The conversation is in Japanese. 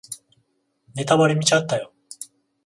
ネタバレ見ちゃったよ